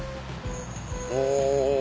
お！